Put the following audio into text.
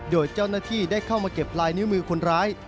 โดยเจ้าหน้าที่ได้เข้ามาเก็บลายนิ้วมือคนร้าย